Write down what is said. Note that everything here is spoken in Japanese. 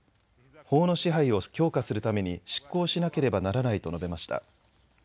法の支配を強化するために執行しなければならないと述べました。